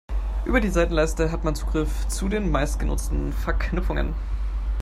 Über die Seitenleiste hat man Zugriff zu den meistgenutzten Verknüpfungen.